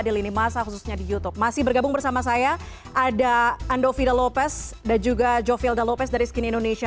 di lini masa khususnya di youtube masih bergabung bersama saya ada andovi da lopez dan juga joviel da lopez dari skinny indonesia dua puluh empat